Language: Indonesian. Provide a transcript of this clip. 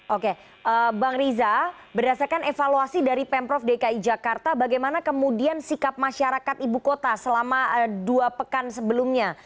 oke bang riza berdasarkan evaluasi dari pemprov dki jakarta bagaimana kemudian sikap masyarakat ibu kota selama dua pekan sebelumnya